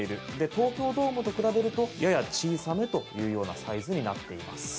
東京ドームと比べるとやや小さめというサイズになっています。